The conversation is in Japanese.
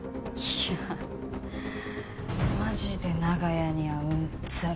いやマジで長屋にはうんざり。